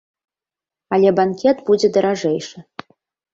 Але банкет будзе даражэйшы.